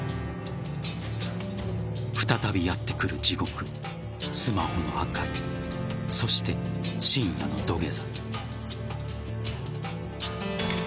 再びやってくる地獄スマホの破壊そして、深夜の土下座。